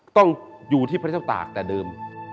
ต้องอยู่ที่พระเจ้าตากแต่เดิม